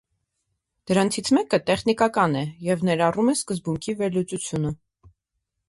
Դրանցից մեկը տեխնիկական է և ներառում է սկզբունքի վերլուծությունը։